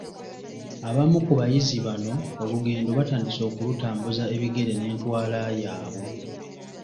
Abamu ku bayizi bano olugendo batandise okulutambuza ebigere n’entwala yaabwe.